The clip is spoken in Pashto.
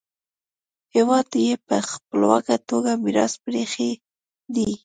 هېواد یې په خپلواکه توګه میراث پریښی دی.